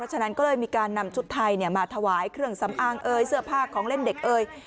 ฉะนั้นก็เลยมีการนำชุดไทยมาถวายเครื่องสำอางเอ่ยเสื้อผ้าของเล่นเด็กเอ่ย